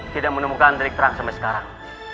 tidak menemukan trik terang sampai sekarang